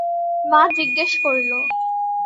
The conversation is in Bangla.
মা জিজ্ঞেস করলো।